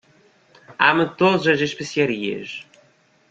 Ame todas as especiarias.